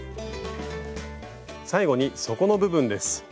最後に底の部分です。